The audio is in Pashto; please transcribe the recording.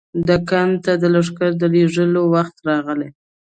دکن ته د لښکر د لېږد وخت راغی.